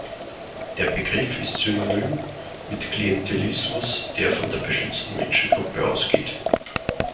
Der Begriff ist synonym mit Klientelismus, der von der beschützten Menschengruppe ausgeht.